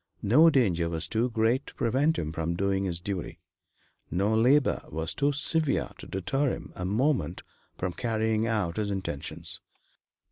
No danger was too great to prevent him from doing his duty; no labor was too severe to deter him a moment from carrying out his intentions.